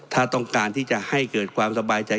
ถ้าต้องการที่จะให้เกิดความสบายใจ